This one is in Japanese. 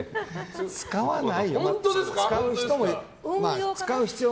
使わないよ。